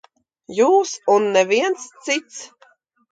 Jūs un neviens cits.